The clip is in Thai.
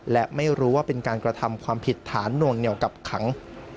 และไม่รู้ว่าเป็นการกระทำความผิดฐานหน่วงเหนียวกักขัง